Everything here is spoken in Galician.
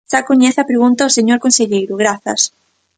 Xa coñece a pregunta o señor conselleiro Grazas.